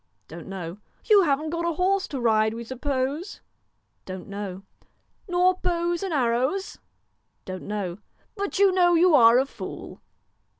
' Don't know.' 1 You haven't got a horse to ride, we suppose ?'' Don't know.' ' Nor bow and arrows ?' 1 Don't know.' ' But you know you are a fool